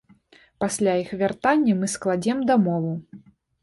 Пасля іх вяртання мы складзем дамову.